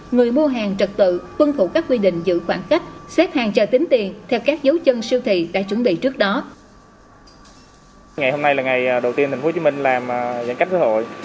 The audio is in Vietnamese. người mua hàng trật tự tuân thủ các quy định giữ khoảng cách xếp hàng chờ tính tiền theo các dấu chân siêu thị đã chuẩn bị trước đó